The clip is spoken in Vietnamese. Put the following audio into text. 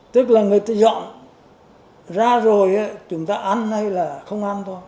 tức là người ta dọn ra rồi chúng ta ăn nay là không ăn thôi